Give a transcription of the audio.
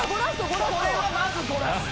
「これはまずゴラッソ」